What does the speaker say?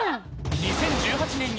［２０１８年に］